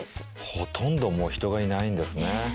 ほとんどもう人がいないんですね。